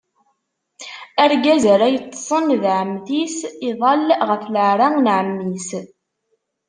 Argaz ara yeṭṭṣen d ɛemmti-s, iḍall ɣef leɛra n ɛemmi-s.